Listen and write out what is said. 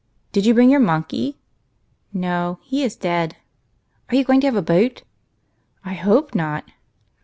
Did you bring your monkey ?">' No ; he is dead." " Are you going to have a boat ?'"" I hojoe not."